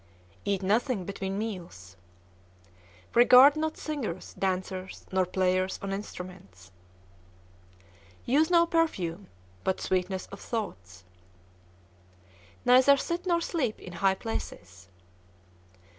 Eat nothing between meals. Regard not singers, dancers, nor players on instruments. Use no perfume but sweetness of thoughts. Neither sit nor sleep in high places.